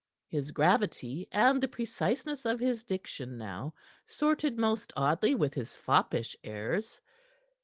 His gravity, and the preciseness of his diction now, sorted most oddly with his foppish airs.